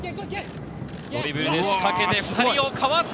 ドリブルで仕掛けて２人をかわすか？